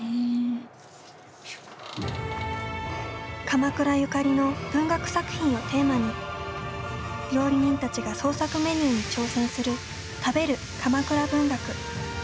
鎌倉ゆかりの文学作品をテーマに料理人たちが創作メニューに挑戦する「食べる！鎌倉文学」。